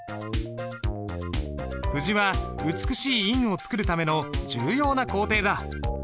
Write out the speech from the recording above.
布字は美しい印を作るための重要な工程だ。